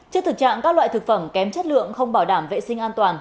trước thực trạng các loại thực phẩm kém chất lượng không bảo đảm vệ sinh an toàn